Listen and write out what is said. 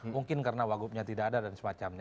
mungkin karena wagupnya tidak ada dan semacamnya